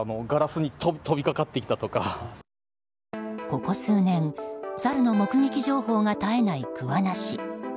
ここ数年、サルの目撃情報が絶えない桑名市。